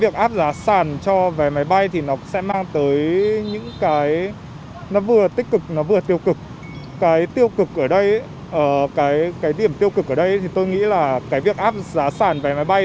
cái tiêu cực ở đây cái điểm tiêu cực ở đây thì tôi nghĩ là cái việc áp giá sàn vé máy bay